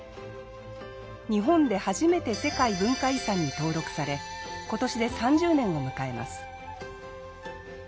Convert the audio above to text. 日本で初めて世界文化遺産に登録され今年で３０年を迎えます。